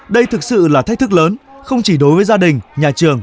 đây thực sự là một kỹ năng rất quan trọng